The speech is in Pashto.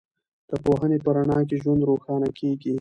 د پوهنې په رڼا کې ژوند روښانه کېږي.